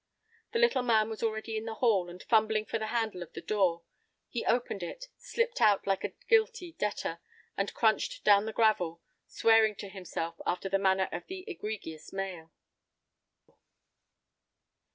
The little man was already in the hall, and fumbling for the handle of the front door. He opened it, slipped out like a guilty debtor, and crunched down the gravel, swearing to himself after the manner of the egregious male.